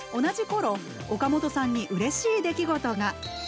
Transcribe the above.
同じころ岡元さんにうれしい出来事が。